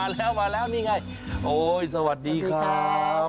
แล้วมาแล้วนี่ไงโอ๊ยสวัสดีครับ